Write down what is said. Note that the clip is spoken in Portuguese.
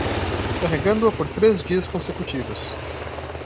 Carregando-a por três dias consecutivos